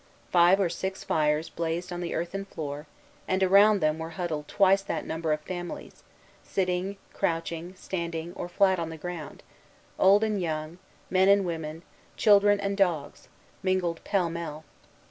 Five or six fires blazed on the earthen floor, and around them were huddled twice that number of families, sitting, crouching, standing, or flat on the ground; old and young, women and men, children and dogs, mingled pell mell.